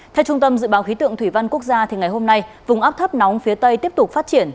theo trung tâm dự báo khí tượng thủy văn quốc gia ngày hôm nay vùng áp thấp nóng phía tây tiếp tục phát triển